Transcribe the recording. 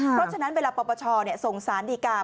เพราะฉะนั้นเวลาปปชส่งสารดีการ